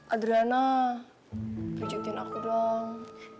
adriana bijutin aku dong